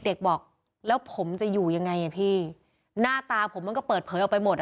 เด็กบอกแล้วผมจะอยู่ยังไงอ่ะพี่หน้าตาผมมันก็เปิดเผยออกไปหมดอ่ะ